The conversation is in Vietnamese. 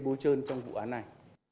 bôi trơn trong vụ án này